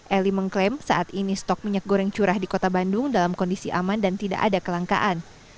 eli mengklaim saat ini stok minyak goreng curah di kota bandung dalam kondisi aman dan tidak ada kelangkaan